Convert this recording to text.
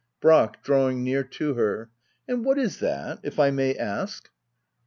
Brack. [Dramng near to her,] And what is that, if may ask